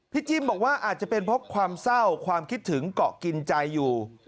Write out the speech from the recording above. จิ้มบอกว่าอาจจะเป็นเพราะความเศร้าความคิดถึงเกาะกินใจอยู่